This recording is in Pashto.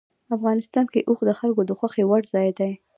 افغانستان کې اوښ د خلکو د خوښې وړ ځای دی.